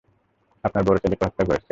আপনার বড় ছেলেকে হত্যা করেছে।